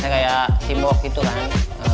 kayak timbok gitu kan